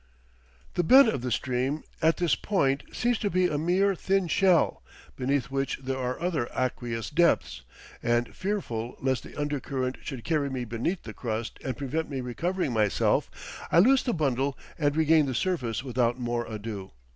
The bed of the stream at this point seems to be a mere thin shell, beneath which there are other aqueous depths, and fearful lest the undercurrent should carry me beneath the crust and prevent me recovering myself, I loose the bundle and regain the surface without more ado.